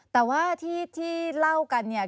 แต่ว่าที่เล่ากันเนี่ย